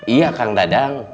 iya kang dadang